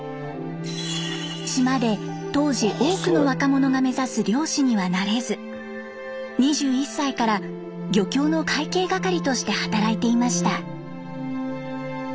島で当時多くの若者が目指す漁師にはなれず２１歳から漁協の会計係として働いていました。